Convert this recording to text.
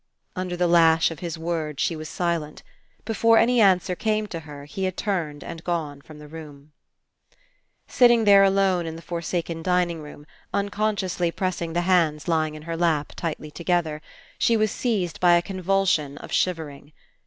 Under the lash of his words she was silent. Before any answer came to her, he had turned and gone from the room. Sitting there alone in the forsaken dining room, unconsciously pressing the hands lying in her lap, tightly together, she was seized 193 PASSING by a convulsion of shivering.